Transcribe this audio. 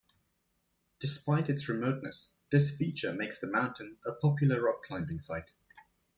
Despite its remoteness, this feature makes the mountain a popular rock climbing site.